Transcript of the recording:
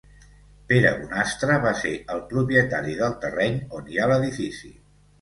Pere Bonastre va ser el propietari del terreny on hi ha l'edifici.